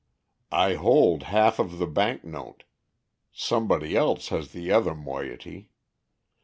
I hold half of the bank note; somebody else has the other moiety.